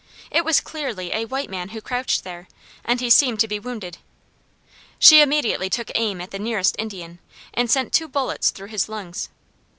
It was clearly a white man who crouched there, and he seemed to be wounded. She immediately took aim at the nearest Indian and sent two bullets through his lungs.